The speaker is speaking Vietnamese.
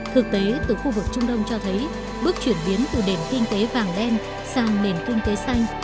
thực tế từ khu vực trung đông cho thấy bước chuyển biến từ nền kinh tế vàng đen sang nền kinh tế xanh